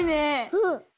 うん。